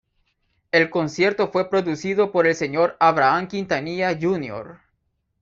El concierto fue producido por el señor Abraham Quintanilla Jr.